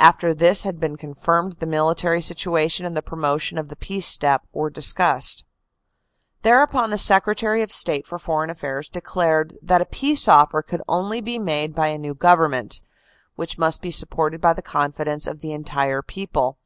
After this had been confirmed, the military situation and the promotion of the peace step were discussed. "Thereupon the Secretary of State for Foreign Affairs de clared that a peace offer could only be made by a new Govern ment, which must be supported by the confidence of the entire people.